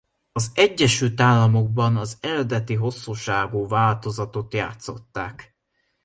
Az Egyesült Államokban az eredeti hosszúságú változatot játszották.